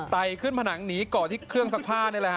ไข่ขึ้นผนังหนีเกาะที่เครื่องสักผ้า